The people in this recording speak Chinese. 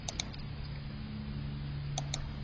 越南北部也有。